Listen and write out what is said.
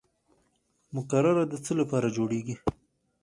مقرره د څه لپاره جوړیږي؟